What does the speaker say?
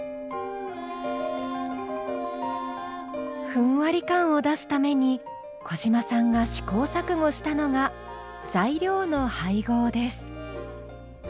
ふんわり感を出すために小嶋さんが試行錯誤したのが材料の配合です。